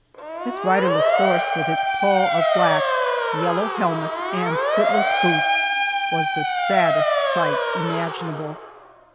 This riderless horse, with its pall of black, yellow helmet, and footless boots, was the saddest sight imaginable.